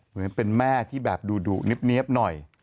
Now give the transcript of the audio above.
เหมือนเป็นแม่ที่แบบดุเนี๊ยบหน่อย